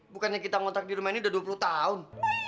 bukannya kita ngontrak di rumah ini udah dua puluh tahun